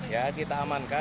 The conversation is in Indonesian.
ya kita amankan